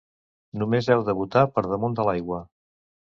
Només heu de botar per damunt de l'aigua!